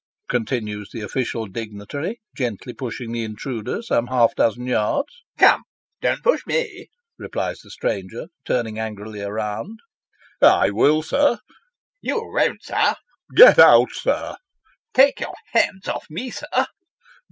continues the official dignitary, gently pushing the intruder some half dozen yards. " Come, don't push me," replies the stranger, turning angrily round. " I will, sir." " You won't, sir." ' Go out, sir." ' Take your hands off me, sir."